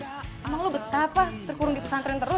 emang lo betapa terkurung di pesantren terus